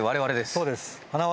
そうです。